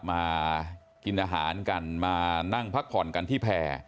มากินอาหารกันมานั่งพักผ่อนกันที่แพร่